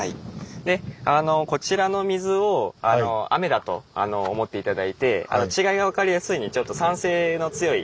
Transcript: でこちらの水を雨だと思って頂いて違いが分かりやすいようにちょっと酸性の強い水。